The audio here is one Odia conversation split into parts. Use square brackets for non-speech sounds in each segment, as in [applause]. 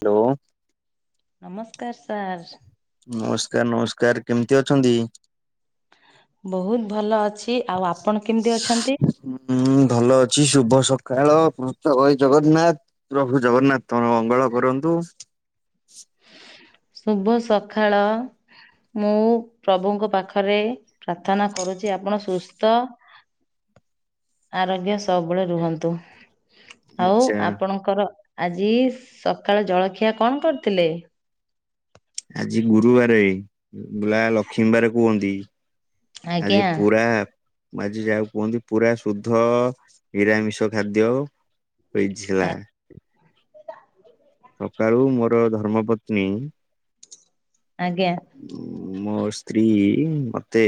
ହ୍ୟାଲୋ। ନମସ୍କାର ସାର୍। ନମସ୍କାର ନମସ୍କାର କେମିତି ଅଛନ୍ତି? ବହୁତ ଭଲ ଅଛି ଆଉ ଆପଣ କେମିତି ଅଛନ୍ତି? ହୁଁ ଭଲ ଅଛି ଶୁଭ ସକାଳ ଘୃତ ପାଇଁ ଜଗନ୍ନାଥ। ପ୍ରଭୁ ଜଗନ୍ନାଥ ତମର ମଙ୍ଗଳ କରନ୍ତୁ। ଶୁଭ ସକାଳ। ମୁଁ ପ୍ରଭୁଙ୍କ ପାଖରେ ପ୍ରାର୍ଥନା କରୁଛି ଆପଣ ସୁସ୍ଥ- ଆରୋଗ୍ୟ ସବୁବେଳେ ରୁହନ୍ତୁ। ଆଉ ଆଚ୍ଛା ଆପଣଙ୍କର ଆଜି ସକାଳ ଜଳଖିଆ କଣ କରିଥିଲେ? ଆଜି ଗୁରୁବାରେ। ମା ଲକ୍ଷ୍ମୀ ବାର କୁହନ୍ତି। ଆଜି ଆଜ୍ଞା ପୁରା କା ଆଜି ଯାହାକୁ କୁହନ୍ତି ପୁରା ଶୁଦ୍ଧ ନିରାମିଷ ଖାଦ୍ୟ। [unintelligible] ସକାଳୁ ମୋର ଧର୍ମ ପତ୍ନୀ ଆଜ୍ଞା। ଉଁ, ମୋ ସ୍ତ୍ରୀ ମୋତେ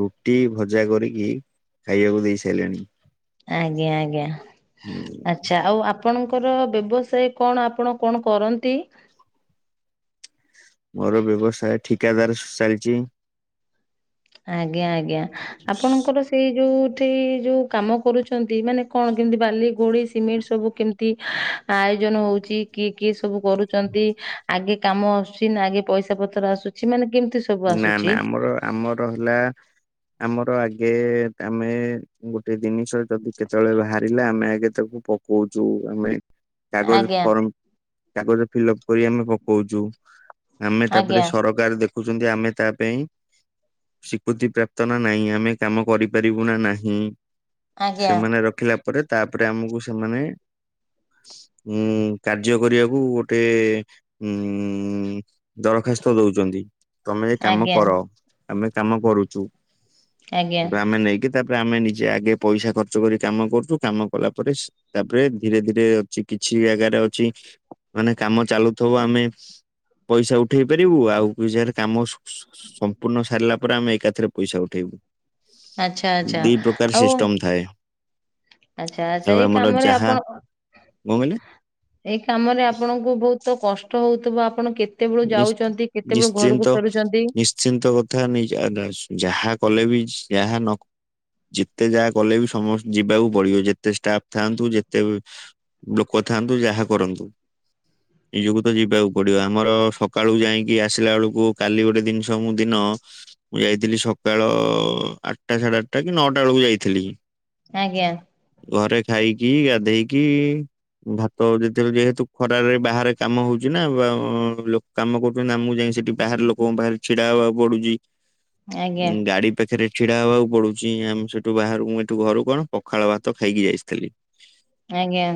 ରୁଟି ଭଜା କରିକି ଖାଇବାକୁ ଦେଇ ସାଇଲାଣି। ଆଜ୍ଞା, ଆଜ୍ଞା ଆଛ ଛା ଆଉ ଆପଣଙ୍କର ବ୍ୟବସାୟ କ ଣ? ଆପଣ କ ଣ କରନ୍ତି? ମୋର ବ୍ୟବସାୟ ଠିକାଦାର ଚାଲିଛି। ଆଜ୍ଞା, ଆଜ୍ଞା ଆପଣଙ୍କର ସେଇ ଯୋଉଠି ଯୋଉ କାମ କରୁଛନ୍ତି ମାନେ କଣ କେମିତି ବାଲି ଗୋଳି ସିମେଣ୍ଟ ସବୁ କେମ ତି ଆୟୋଜନ ହଉଛି, କିଏ କିଏ ସବୁ କରୁଚନ୍ତି? ଆଗେ କାମ ଆସୁଛି ନା? ଆଗେ ପଇସା ପ ତ୍ର ଆସୁଛି ମାନେ କେମତି ସ ନା ନା ଆମର ଆମର ହେଲା ଆମର ଆଗେ ଆମେ ଗୋଟେ ଦିନିଷ ଯଦି କେତେବେଳେ ବାହାରିଲେ ଆମେ ଆଗେ ତାକୁ ପକଉଚୁ ଆମେ କାଗଜ ଆଜ୍ଞା ଫର୍ମ କାଗଜ ଫିଲ୍ଅପ୍ କରି ଆମେ ପକଉଛୁ। ଆମେ ତାପରେ ଆଜ୍ଞା ସରକାର ଦେଖ ଖୁଚନ୍ତି ଆମେ ତା ପାଇଁ ସିକୃତି ପ୍ରାପ୍ତ ନା ନାହିଁ ଆମେ କାମ କରିପାରିବୁ ନା ନାହିଁ। ଆଜ୍ଞା ସେମାନେ ର ଖିଲା ପରେ ତାପରେ ଆମକୁ ସେମାନେ ଉଁ, କାର୍ଯ୍ୟ କରିବାକୁ ଗୋଟେ ଉଁ, ଦରଖାସ୍ତ ଦଉଛନ୍ତି। ତୋମେ ଏ କାମ ଆଜ୍ଞା କର। ଆମେ କାମ କରୁଛୁ। ଆଜ୍ଞା ବା ଆମେ ନେଇକି ତାପରେ ଆମେ ନିଜେ ଆଗେ ପଇସା ଖର୍ଚ୍ଚ କରି କାମ କରୁଛୁ କାମ କଲା ପରେ ତାପରେ ଧୀରେ ଧୀରେ ଅଛି କିଛି ଜାଗାରେ ଅଛି ମାନେ କାମ ଚାଲୁଥିବ ଆମେ ପଇସା ଉଠେଇ ପାରିବୁ। ଆଉ କି ଜାଗାରେ କାମ ସ-ସ-ସମ୍ପୂର୍ଣ୍ଣ ସାରିଲା ପରେ ଆମେ ଏକାଥରେ ପଇସା ଉଠେଇବୁ। ଆଚ୍ଛା ଆଚ୍ଛା ଦି ପ୍ରକାର ଆଉ ସିଷ୍ଟମ୍ ଥାଏ। ଆଚ୍ଛା, ଆଚ୍ଛା ଏଇ କାମରେ ଆପଣ ନ ହେଲେ ଏଇ କାମରେ ଆପଣଙ୍କୁ ବହୁତ କଷ୍ଟ ହଉଥିବ ଆପଣ କେ ତେବେଳୁ ଯାଉଛନ୍ତି କେତେବେଳୁ ଘରକୁ ଫେରୁଛନ୍ତି? ଶ୍ଚିନ୍ତ କଥା ନି- ଯ- ଆଗା-ଯାହା କଲେ ବି ଯାହା ନ ଯେତେ ଯାହା କଲେ ବି ସମସ୍ତେ ଯିବାକୁ ପଡିବ ଯେତେ ଷ୍ଟାଫ ଥାଆନ୍ତୁ ଯେତେ ଲୋକ ଥାଆନ୍ତୁ ଯାହା କରନ୍ତୁ ନିଜକୁ ତ ଯିବାକୁ ପଡିବ। ଆମର ସକାଳୁ ଯାଇକି ଆସିଲା ବେଳକୁ କାଲି ଗୋଟେ ଜିନିଷ ମୁଁ ଦିନ ମୁଁ ଯାଇଥିଲି ସକାଳ ଆଟା ସାଢ଼େ ଆଟା କି ନଅଟା ବେଳକୁ ଯାଇଥିଲି। ଆଜ୍ଞା। ଘରେ ଖାଇକି ଗାଧେଇକି ଭାତ ଯେତେବେଳେ ଯେହେତୁ ଖରାରେ ବାହାରେ କାମ ହଉଛି ନା ବାଅ ଲୋ କାମ କରୁଛନ୍ତି ନା ମୁଁ ଯାଇ ସେଠି ବାହାର ଲୋକଙ୍କ ପାଖରେ ଛିଡା ହବାକୁ ପଡୁଚି। ଆଜ୍ଞା ଉଁ ଗାଡି ପାଖରେ ଛିଡା ହେବାକୁ ପଡୁଛି ଆମେ ସେଠୁ ବାହାରୁ ମୁଁ ଏଠୁ ଘରୁ କଣ ପଖାଳ ଭାତ ଖାଇକି ଆସିଥିଲି। ଆଜ୍ଞା।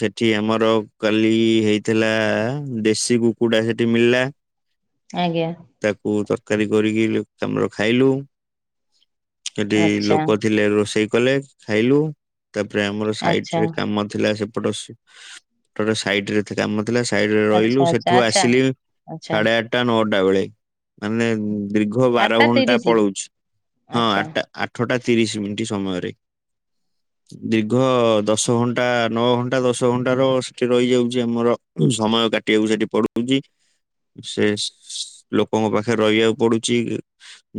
ସେଠି ଆମର କାଲି ହେଇଥିଲା। ଦେଶୀ କୁକୁଡା ସେଠି ମିଳିଲା ଆଜ୍ଞା। ତାକୁ ତରକାରୀ କରିକି [unintelligible] ମୋର ଖାଇଲୁ। ସେଠି ଆଚ୍ଛା ଲୋକ ଥିଲେ ରୋଷେଇ କଲେ ଖାଇଲୁ। ତାପରେ ଆମର ସାଇଟ ଆଚ୍ଛା ରେ କାମ ଥିଲା ସେପଟ ସାଇଡ ରେ ଏତେ କାମ ଥିଲା ସାଇଡ ରେ ରହିଲୁ ଆଚ୍ଛା ସେଠୁ ଆଚ୍ଛା ଆଚ୍ଛା ଆସିଲି ଆଚ୍ଛା ସାଢେ ଆଠ। ଆଠଟା ନଅଟା ବେଳେ। ମାନେ ଦୀର୍ଘ ବାର ଆଠଟା ଘଣ୍ଟା ତିରିଶି। ପଳଉଛି, ହଁ ଆଚ୍ଛା ଆଠଟା। ଆଠଟା ତିରିଶ ମିନିଟ୍ ସମୟରେ। ଦୀର୍ଘ ଦଶ ଘଣ୍ଟା, ନଅ ଘଣ୍ଟା, ଦଶ ଘଣ୍ଟା ର ସେଠି ରହିଯାଉଛି ଆମର। ସମୟ କାଟିବାକୁ ସେଠି ପଡୁଛି। ସେ ଲୋକଙ୍କ ପାଖରେ ରହିବାକୁ ପଡୁଛି।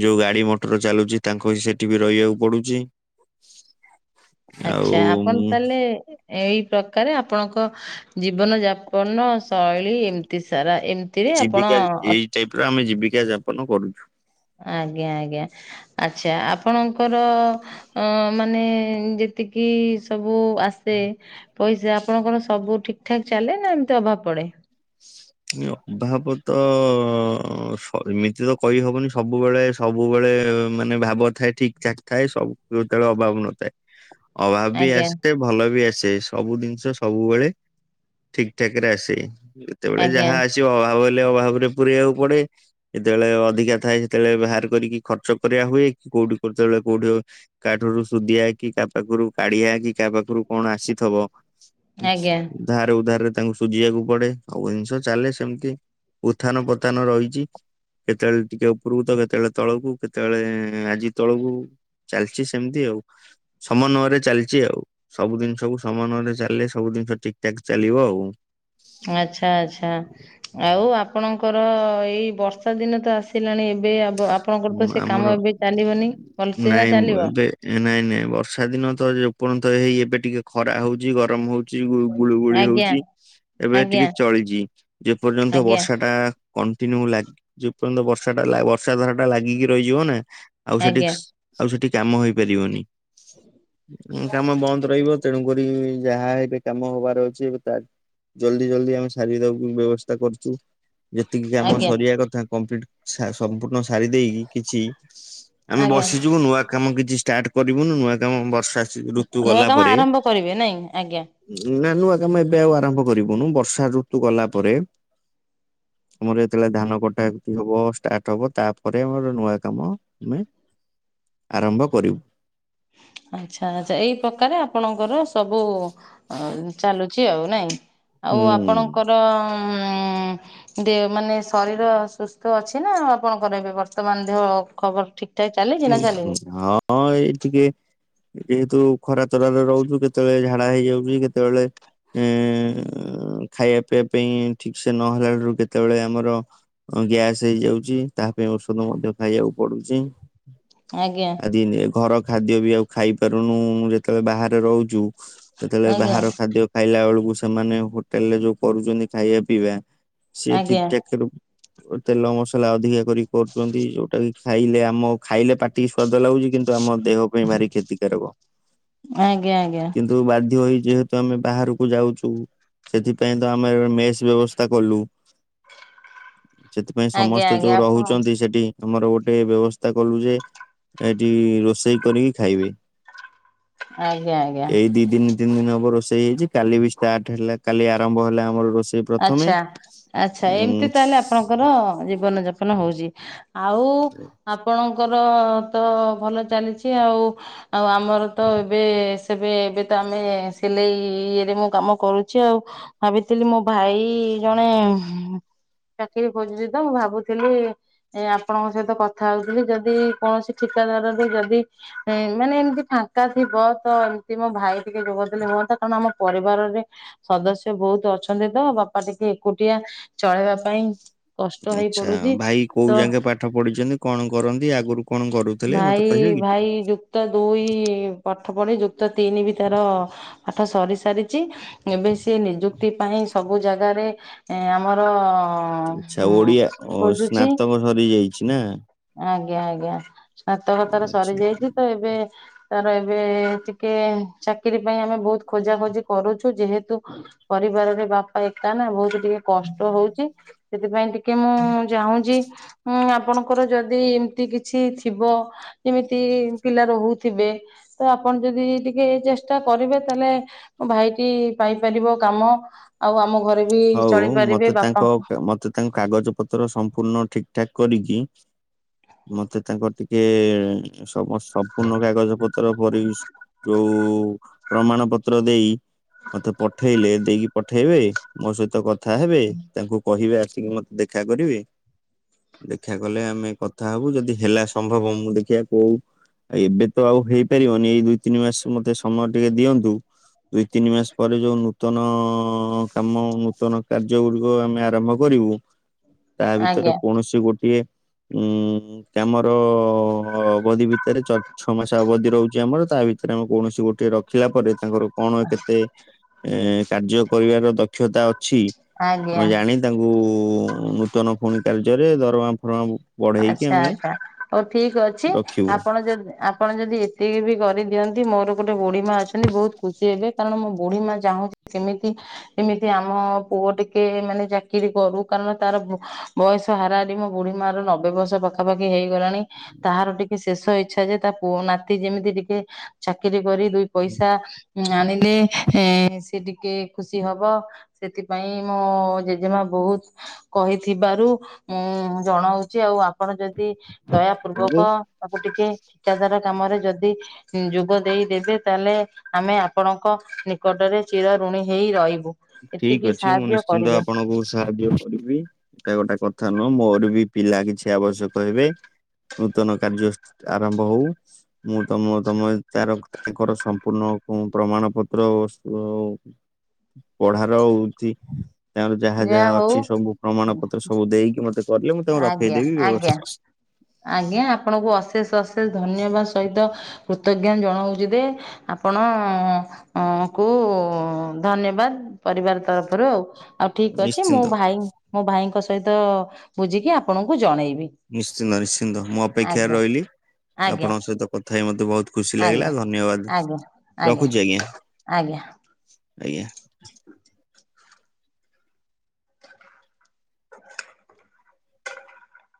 ଯୋଉ ଗାଡି ମଟର ଚାଲୁଛି ତାଙ୍କ ସେଠି ବି ରହିବାକୁ ପଡୁଛି। ଆଉ ଆଚ୍ଛା, ଆପଣ ଉଁ, ତାହେଲେ ଏଇ ପ୍ରକାରେ ଆପଣଙ୍କ ଜୀବନ ଯାପନ ଶୈଳୀ ଏମିତି ସାରା ଏମ୍ ଜୀବିକା, ଏଇ ଟାଇପ ର ଆମେ ଜୀବିକା ଯାପନ କରୁଛୁ। ଆଜ୍ଞା ଆଜ୍ଞା। ଆଚ୍ଛା ଆପଣଙ୍କର ଅ ମାନେ ଯେତିକି ସବୁ ଆସେ ପଇସା, ଆପଣଙ୍କର ସବୁ ଠିକ୍ ଠାକ୍ ଚାଲେ ନା ଏମିତି ଅଭାବ ପଡେ। ଅଭାବ ତ ସରି ନିଜେ ତ କହିହବନି ସବୁବେଳେ ସବୁବେଳେ ମାନେ ଭାବ ଥାଏ ଠିକ୍ ଚାଲି ଥାଏ ସବୁ କେତେବେଳେ ଅଭାବ ନଥାଏ। ଅଭାବ ବି ଆଜ୍ଞା ଆସି ଭଲ ବି ଆସେ। ସବୁ ଜିନିଷ ସବୁବେଳେ ଠିକ୍ ଠାକ୍ ରେ ଆସେ। ଯେତେବେଳେ ଆଜ୍ଞା ଯାହା ଆସିବ ଅଭାବ ହେଲେ ଅଭାବରେ ପୁରେଇବାକୁ ପଡେ। ଯେତେବେଳେ ଅଧିକା ଥାଏ ସେତେବେଳେ ବାହାର କରିକି ଖର୍ଚ୍ଚ କରିବା ହୁଏ କି କୋଉଠି କେତେବେଳେ କୋଉଠି କାହାଠାରୁ ସୁଧିଆ କି କାହା ପାଖରୁ କାଢ଼ିଆ କି କାହା ପାଖରୁ କଣ ଆସିଥିବ। ଆଜ୍ଞା। ଧାର ଉଧାରରେ ତାଙ୍କୁ ସୁଝିବାକୁ ପଡେ। ସବୁ ଜିନିଷ ଚାଲେ ସେମିତି ଉତ୍ଥାନ ପତାନ ରହିଛି। କେତେବେଳେ ଟିକେ ଉପରକୁତ କେତେବେଳେ ତଳକୁ କେତେବେଳେ ଆଜି ତଳକୁ। ଚାଲିଛି ସେମିତି ଆଉ। ସମନ୍ୱୟରେ ଚାଲିଛି ଆଉ। ସବୁ ଜିନିଷକୁୁ ସମନ୍ଵୟରେ ଚାଲିଲେ ସବୁ ଜିନିଷ ଠିକ୍ ଠାକ୍ ଚାଲିବ ଆଉ। ଆଚ୍ଛା ଆଚ୍ଛା, ଆଉ ଆପଣ? ଙ୍କର ଏଇ ବର୍ଷା ଦିନ ତ ଆସିଲାଣି ଏବେ ଆପଣଙ୍କର ଉଁ, ତ ସେ ଆମର କାମ ଏବେ ଚାଲିବନି ଭଲସେ ନା ନାଇଁ ଚାଲିବ? ଏବେ ନାଇଁ ନାଇଁ ବର୍ଷା ଦିନ ତ ଯେପର୍ଯନ୍ତ ହେଇ ଏବେ ଟିକେ ଖରା ହଉଛି ଗରମ ହଉ ଚି ଗୁଳୁ ଗୁଳି ଆଜ୍ଞା ହଉଛି ଏବେ ଆଜ୍ଞା ଟିକେ ଚଳିଚି ଯେପର୍ଯ୍ୟନ୍ତ ଆଜ୍ଞା ବର୍ଷା ଟା କଣ୍ଟିନ୍ୟୁ ଲାଗି ଯେପର୍ଯ୍ୟନ୍ତ ବର୍ଷା ଟା ଲା ବର୍ଷା ଧାରାଟା ଲାଗିକି ରହିଯିବ ନା ଆଉ ସେଠି ଆଜ୍ଞା ଆଉ ସେଠି କାମ ହେଇପାରିବନି। କାମ ବନ୍ଦ ରହିବ ତେଣୁକରି ଯାହା ଏବେ କାମ ହବାର ଅଛି ଜଲ୍ଦି ଜଲ୍ଦି ଆମେ ସାରି ଦବାକୁ ବ୍ୟବସ୍ଥା କରୁଛୁ। ଯେତିକି କାମ ଆଜ୍ଞା ସରିବା କଥା କମ୍ପ୍ଲିଟ ସା ସମ୍ପୂର୍ଣ୍ଣ ସାରି ଦେଇକି କିଛି ଆମେ ଆଜ୍ଞା ବସିଯିବୁ ନୂଆ କାମ କିଛି ଷ୍ଟାର୍ଟ କରିବୁନୁ। ନୂଆ କାମ ବର୍ଷା ଋତୁ ନୂଆ ଗଲା କାମ ପରେ ଆରମ୍ଭ କରିବେ ନାଇଁ, ଆଜ୍ଞା। ନା ନୂଆ କାମ ଏବେ ଆଉ ଆରମ୍ଭ କରିବୁନୁ। ବର୍ଷା ଋତୁ ଗଲା ପରେ। ଆମର ଯେତେବେଳେ ଧାନ କଟାକଟି ହବ। ଷ୍ଟାର୍ଟ ହବ ତା ପରେ ମୋର ନୂଆ କାମ। ଆମେ। ଆରମ୍ଭ କରିବୁ। ଆଚ୍ଛା ଆଚ୍ଛା ଏଇ ପକାରେ ଆପଣଙ୍କର ସବୁ ଅ ଚାଲୁଛି ଆଉ ନାଇଁ। ଆଉ ଆପଣଙ୍କର ହୁଁ ଉ ଦେ ମାନେ ଶରୀର ସୁସ୍ଥ ଅଛି ନା ଆପଣଙ୍କର ଏବେ ବର୍ତ୍ତମାନ ଦେହ ଖବର ଠିକି। ଉହୁଁ ହଁ ଏଇ ଟିକେ ଯେହେତୁ ଖରା ତରାରେ ରହୁଛୁ କେତେବେଳେ ଝାଡା ହେଇଯାଉଛି। କେତେବେଳେ ଏ ଖାଇବା ପିଇବା ପିଆ ପାଇଁ ଠିକେ ସେ ନହେଲା ରୁ କେତେବେଳେ ଆମର ହଁ ଗ୍ୟାସ୍ ହେଇଯାଉଛି ତା ପାଇଁ ଔଷଧ ମଧ୍ୟ ଖାଇବାକୁ ପଡୁଛି। ଆଜ୍ଞା। ଆଜି ନେ ଘର ଖାଦ୍ୟ ବି ଆଉ ଖାଇପାରୁନୁ ଉ ଯେତେବେଳେ ବାହାରେ ରହୁଛୁ। ସେତେବେଳେ ଆଜ୍ଞା। ବାହାର ଖାଦ୍ୟ ଖାଇଲା ବେଳକୁ ସେମାନେ ହୋଟେଲ ରେ ଯୋଉ କରୁଛନ୍ତି ଖାଇବା ପିଇବା। ସେ ଆଜ୍ଞା ଠିକିଠାକ କେଡୁ ଓ ତେଲ ମସଲା ଅଧିକା କରି କରୁଛନ୍ତି ଯୋଉଟା କି ଖାଇଲେ ଆମ ଖାଇଲେ ପାଟିକି ସ୍ଵାଦ ଲାଗୁଛି କିନ୍ତୁ ଆମ ଦେହ ପାଇଁ ଭାରି କ୍ଷତିକାରକ। ଆଜ୍ଞା ଆଜ୍ଞା କିନ୍ତୁ ତେଣୁ ବାଧ୍ୟ ହୋଇ ଯେହେତୁ ଆମେ ବାହାରକୁ ଯାଉଚୁ। ସେଥିପାଇଁ ତ ଆମେ ମେସ୍ ବ୍ୟବସ୍ଥା କଲୁ। ସେଥିପାଇଁ ଆଜ୍ଞା ସମସ୍ତେ ଆଜ୍ଞା ଯୋଉ ଆପଣ ରହୁଛନ୍ତି ସେଠି ଆମର ଗୋଟେ ବ୍ୟବସ୍ଥା ଚିତା କଲୁ ଯେ। ଏଠି ରୋଷେଇ କରିକି ଖାଇବେ। ଆଜ୍ଞା ଆଜ୍ଞା ଏଇ ଦି ଦିନି ତିନି ଦିନି ହବ ରୋଷେଇ ହେଇଛି କାଲି ବି ଷ୍ଟାର୍ଟ ହେଲା କାଲି ଆରମ୍ଭ ହେଲା ଆମର ରୋଷେଇ। ପ୍ରଥମେ ଆଚ୍ଛା। ଆଚ୍ଛା ଉଁ ଏମତି ତାହେଲେ ଆପେ ଆପଣଙ୍କର ଜୀବନ ଯାପନ ହଉଛି। ଆଉ ଆପଣଙ୍କ ଆପଣଙ୍କର ତ ଭଲ ଚାଲିଛି ଆଉ। ଆଉ ଆମର ତ ଏବେ ସେବେ ଏବେ ତ ଆମେ ସିଲେଇ ଇଏରେ ମୁଁ କାମ କରୁଛି ଆଉ। ଭାବିଥିଲି ମୋ ଭାଇ ଜଣେ ଚାକିରି ଖଜୁଚି ତ ମୁଁ ଭାବୁଥିଲି? ଏ ଆପଣଙ୍କ ସହିତ କଥା ହଉଥିଲି ଯଦି କୌଣସି ଠିକାଦାର ର ଯଦି ଏ ମାନେ ଏମିତି ଫାଙ୍କା ଥିବ ତ ଏମିତି ମୋ ଭାଇ ଟିକେ ଯୋଗଦେଲେ ହୁଅନ୍ତା କାରଣ ଆମ ପରିବାରରେ ସଦସ୍ୟ ବହୁତୁ ଅଛନ୍ତି ତ ବାପା ଟିକେ ଏକୁଟିଆ ଚଳେଇବା ପାଇଁ। କଷ୍ଟ ହେଇ ଇଚ୍ଛା ପଡୁଛି ଭାଇ କୋଉ ତ ଯାକେ ପାଠ ପଢିଛନ୍ତି କଣ କରନ୍ତି ଆଗରୁ କଣ କରୁଥିଲେ ଭାଇ ମତେ କହିବେ କି? ଭାଇ ଯୁକ୍ତ ଦୁଇ ପାଠ ପଢି ଯୁକ୍ତ ତିନି ବି ତାର ପାଠ ସରି ସାରିଛି ଏବେ ସିଏ ସେ ନିଯୁକ୍ତି ପାଇଁ ସବୁ ଜାଗାରେ। ଆମର ଇଛା ଓଡିଆ ଖୋଜୁଛି ସ୍ନାତକ ସରି ଯାଇଛି ନା? ଆଜ୍ଞା ଆଜ୍ଞା। ସ୍ନାତକ ତରା ଆଚ୍ଛା ସରିଯାଇଛି ତ ଏବେ? ତାର ଏବେ ଟିକେ ଚାକିରି ପାଇଁ ଆମେ ବହୁତୁ ଖୋଜା ଖୋଜି କରୁଛୁ ଯେହେତୁ ପରିବାରରେ ବାପା ଏକା ନା ବହୁତୁ ଟିକେ କଷ୍ଟ ହଉଛି ସେଥିପାଇଁ ଟିକେ ମୁଁ ଯାହୁଁଚି। ଉଁ ଆପଣଙ୍କୁ ତାଙ୍କର ଯଦି ଏମିତି କିଛି ଥିବ ଯେମିତି ପିଲା ରହୁଥିବେ? ତ ଆପଣ ଯଦି ଟିକେ ଚେଷ୍ଟା କରିବେ ତାହେଲେ ମୋ ଭାଇଟି ପାଇପାରିବ କାମ। ଆଉ ଆମ ଘରେ ବି ହଉ ମତେ ଚଳିପାରିବେ ତାଙ୍କ ବାପାଙ୍କୁ ମତେ ତାଙ୍କ କାଗଜ ପତ୍ର ସମ୍ପୂର୍ଣ୍ଣ ଠିକ ଠାକ୍ କରିକି? ମତେ ତାଙ୍କର ଟିକେ ସମସ୍ତ ସମ୍ପୂର୍ଣ୍ଣ କାଗଜ ପତ୍ର ପରି ଯୋଉଁ ପ୍ରମାଣ ପତ୍ର ଦେଇ ମତେ ପଠେଇଲେ ଦେଇକି ପଠେଇବେ ମୋ ସହିତ କଥା ହେବେ ତାଙ୍କୁ କହିବେ ଆସିକି ମତେ ଦେଖା କରିବେ। ଦେଖା କଲେ ଆମେ କଥା ହବୁ ଯଦି ହେଲା ସମ୍ଭବ ମୁଁ ଦେଖିବା କୋଉ ଏବେ ତ ଆଉ ହେଇପାରିବନି ଏଇ ଦୁଇ ତିନି ମାସ ମତେ ସମୟ ଟିକେ ଦିଅନ୍ତୁ? ଦୁଇ ତିନି ମାସ ପରେ ଯୋଉ ନୂତନ ଅ-ଅ-ଅଁ କାମ ନୂତନ କାର୍ଯ୍ୟ ଗୁଡିକ ଆମେ ଆରମ୍ଭ କରିବୁ। ତା ଭିତରେ ଆଜ୍ଞା କୌଣସି ଗୋଟିଏ ଉଁ କାମର ଅବଧି ଭି ତରେ ଛଅ ମାସ ଅବଧି ରହୁଛି ଆମର ତା ଭିତରେ ଆମେ କୌଣସି ଗୋଟଏ ରଖିଲା ପରେ ତାଙ୍କର କଣ କେତେ? ଏ କାର୍ଯ୍ୟ କରିବାର ଦକ୍ଷତା ଅଛି ମୁଁ ଆଜ୍ଞା ଜାଣି ତାଙ୍କୁ ନୂତନ ପୁଣି କାର୍ଯ୍ୟରେ ଦରମା ଫରମା ବଢେଇକି ଆଚ୍ଛା ଆମେ ଆଚ୍ଛା ହଉ ଠିକ୍ ଅଛି ରଖିବୁ ଆପଣ ଯଦି ଆପଣ ଯଦି ଏତିକି ବି କରିଦିଅନ୍ତି ମୋର ଗୋଟେ ବୁଢ଼ୀ ମା ଅଛନ୍ତି ବୋହୁତ୍ ଖୁସି ହେବେ କାରଣ ମୋ ବୁଢ଼ୀ ମା ଚାହୁଁ ସେମିତି ଏମିତି ଆମ ପୁଅ ଟିକେ ମାନେ ଚାକିରି କରୁ କାରଣ ତାର ବୟସ ହାରାହାରି ମୋ ବୁଢ଼ୀ ମା ର ନ ବେବସ ପାଖାପାଖି ହେଇଗଲାଣି ତାହାର ଟିକେ ଶେଷ ଇଚ୍ଛା ଯେ ତା ପୁଅ ନାତି ଯେମିତି ଟିକେ ଚାକିରି କରି ଦୁଇ ପଇସା ଆଣିଲେ ସେ ଟିକେ ଖୁସି ହବ। ସେଥିପାଇଁ ମୋ ଜେଜେମା ବୋହୁତ୍ କହିଥିବାରୁ ଉଁ ଜଣଉ ଆଉ ଆପଣ ଯଦି ଦୟା କିନ୍ତୁ ପୂର୍ବକ ତାକୁ ଟିକେ ଠିକାଦାର କାମରେ ଯଦି। ଯୋଗ ଦେଇଦବେ ତାହେଲେ। ଆମେ ଆପଣଙ୍କ ନିକଟରେ ଚିର ଋଣୀ ହେଇ ରହିବୁ। ଠିକ୍ ଏତିକି ଅଛି ମୁଁ ସାହାଯ୍ୟ ନିଶ୍ଚିନ୍ତ କରିବେ ଆପଣଙ୍କୁ ସାହାଯ୍ୟ କରିବି। ଏଟା ଗୋଟେ କଥା ନୁହଁ, ମୋର ବି ପିଲା କିଛି ଆବଶ୍ୟକ ହେବେ। ନୂତନ କାର୍ଯ୍ୟ ଆରମ୍ଭ ହୋଉ। ମୁଁ ତମ ତମ ଚାର ତାଙ୍କର ସମ୍ପୂର୍ଣ୍ଣ ପ୍ରମାଣ ପତ୍ର ଅ ପଢାର ହୋଉଛି, ତାଙ୍କର ଯାହା ଯାହା ଅଛି ସବୁ ପ୍ରମାଣ ପତ୍ର ସବୁ ଦେଇକି ମତେ। କଲେ ମୁଁ ତାଙ୍କୁ ଆଜ୍ଞା ରଖେଇଦେବି ଆଜ୍ଞା। ବ୍ୟବସ ଆଜ୍ଞା ଆପଣଙ୍କୁ ଅଶେଷ ଅଶେଷ ଧନ୍ୟବାଦ ସହିତ କୃତଜ୍ଞା ଜଣାଉଛି ଦେ ଆପଣ ଅ- ଅଁ ଅ କୁ ଧନ୍ୟବାଦ୍ ପରିବାର୍ ତରଫରୁ ଆଉ। ଆଉ ଠିକ୍ ଅଛି, ମୁଁ ନିଶ୍ଚିନ୍ତ ଭାଇ ମୋ ଭାଇଙ୍କ ସହିତ ବୁଝିକି ଆପଣଙ୍କୁ ଜଣେଇବି। ନିଶ୍ଚିନ୍ତ ନିଶ୍ଚିନ୍ତ, ମୁଁ ଅପେକ୍ଷାରେ ଆଜ୍ଞା ରହିଲି ଆଜ୍ଞା ଆପଣଙ୍କ ସହିତ କଥା ହେଇ ମତେ ବୋହୁତ୍ ଖୁସି ଲାଗିଲା ଆଜ୍ଞା ଧନ୍ୟବାଦ୍ ରଖୁଛି ଆଜ୍ଞା, ଆଜ୍ଞା। ଆଜ୍ଞା।